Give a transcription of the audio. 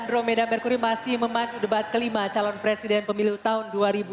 terima kasih memandu debat kelima calon presiden pemilu tahun dua ribu dua puluh empat